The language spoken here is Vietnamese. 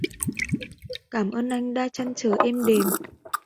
Cảm ơn anh đã trăn trở êm đềm